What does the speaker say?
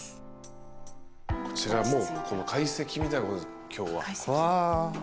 こちらもう会席みたいなこと今日は。